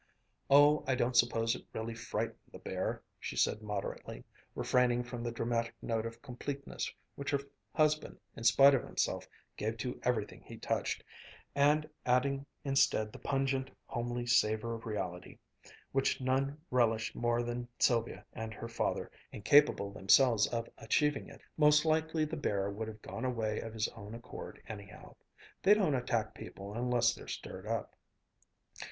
"Oh, I don't suppose it really frightened the bear," she said moderately, refraining from the dramatic note of completeness which her husband, in spite of himself, gave to everything he touched, and adding instead the pungent, homely savor of reality, which none relished more than Sylvia and her father, incapable themselves of achieving it. "'Most likely the bear would have gone away of his own accord anyhow. They don't attack people unless they're stirred up."